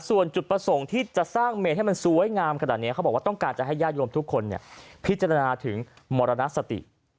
ส่วนจุดประสงค์ที่จะสร้างเมนให้มันสวยงามขนาดนี้เขาบอกว่าต้องการจะให้ญาติโยมทุกคนพิจารณาถึงมรณสติ